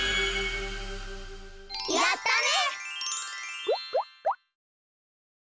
やったね！